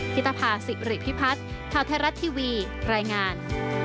พิทธิภาษีหริพิพัฒน์แท้วเทราะห์ทีวีรายงาน